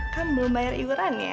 kan belum bayar iuran ya